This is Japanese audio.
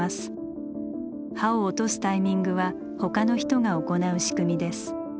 刃を落とすタイミングはほかの人が行う仕組みです。